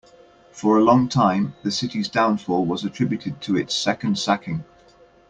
For a long time, the city's downfall was attributed to its second sacking.